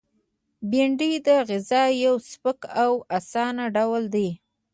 بېنډۍ د غذا یو سپک او آسانه ډول دی